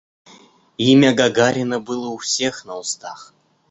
Имя Гагарина было у всех на устах.